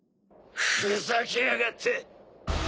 ふざけやがって！